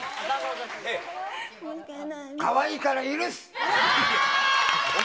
かわいいから許す。